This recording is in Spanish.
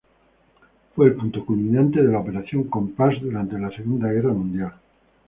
Fue el punto culminante de la Operación Compass durante la Segunda Guerra Mundial.